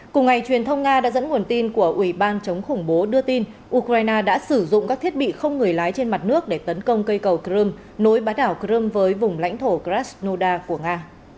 cùng ngày truyền thông nga đã dẫn nguồn tin của ủy ban chống khủng bố đưa tin ukraine đã sử dụng các thiết bị không người lái trên mặt nước để tấn công cây cầu crimea nối bán đảo crimea với vùng lãnh thổ krasnoda của nga